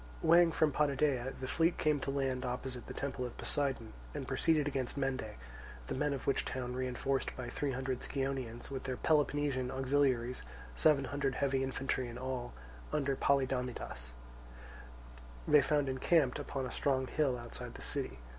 Weighing from Potidæa, the fleet came to land opposite the temple of Poseidon, and proceeded against Mende; the men of which town, reinforced by three hundred Scionaeans, with their Peloponnesian auxiliaries, seven hundred heavy infantry in all, under Polydamidas, they found encamped upon a strong hill outside the city.